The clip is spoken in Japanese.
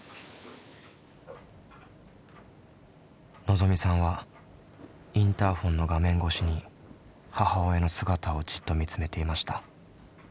のぞみさんはインターホンの画面越しに母親の姿をじっと見つめていました。